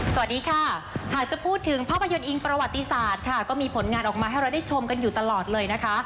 สวัสดีค่ะหากจะพูดถึงภาพยนตร์อิงประวัติศาสตร์ค่ะก็มีผลงานออกมาให้เราได้ชมกันอยู่ตลอดเลยนะคะ